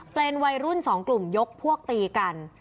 เป็นวัยรุ่นสองกลุ่มยกพวกตีกัน